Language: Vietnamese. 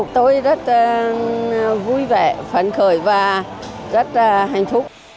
tôi rất vui vẻ phấn khởi và rất